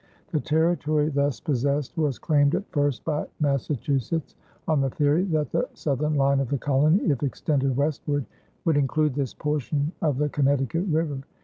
The territory thus possessed was claimed at first by Massachusetts, on the theory that the southern line of the colony, if extended westward, would include this portion of the Connecticut River.